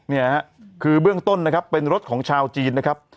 นี่คือเบื้องต้นนะครับเป็นรถของชาวจีนนะครับ